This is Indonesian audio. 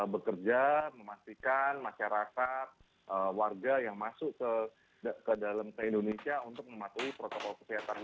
bekerja memastikan masyarakat warga yang masuk ke dalam ke indonesia untuk mematuhi protokol kesehatan